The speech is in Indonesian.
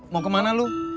mau kemana lu